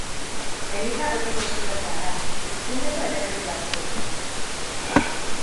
Eliza gotiko estilokoa da, pizkundeko elementu batzuekin.